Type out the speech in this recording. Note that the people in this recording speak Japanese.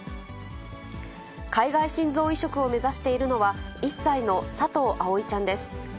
海外心臓移植を目指しているのは、１歳の佐藤葵ちゃんです。